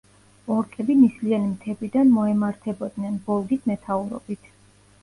ორკები ნისლიანი მთებიდან მოემართებოდნენ, ბოლგის მეთაურობით.